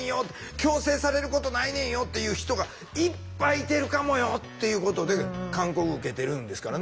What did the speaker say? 強制されることないねんよっていう人がいっぱいいてるかもよっていうことで勧告受けてるんですからね。